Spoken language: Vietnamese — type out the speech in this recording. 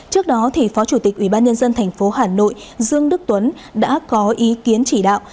trước đó phó chủ tịch ubnd tp hà nội dương đức tuấn đã có ý kiến chỉ đạo